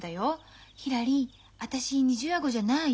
「ひらり私二重顎じゃない？」